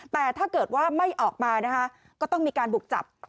แต่ถ้าเกิดว่าไม่ออกมานะคะก็ต้องมีการบุกจับ